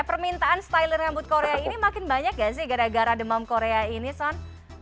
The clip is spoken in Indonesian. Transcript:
permintaan styler rambut korea ini makin banyak gak sih gara gara demam korea ini son